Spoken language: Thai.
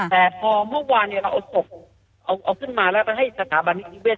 แต่พอเมื่อวานเราอดดคลุมของให้สถาบันนิเวศ